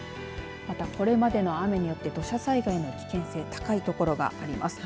また、これまでの雨によって土砂災害の危険性が高い所があります。